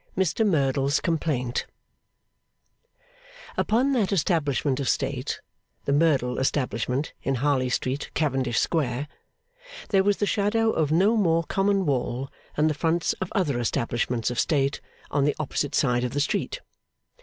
Mr Merdle's Complaint Upon that establishment of state, the Merdle establishment in Harley Street, Cavendish Square, there was the shadow of no more common wall than the fronts of other establishments of state on the opposite side of the street.